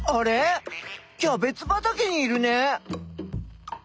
キャベツばたけにいるね。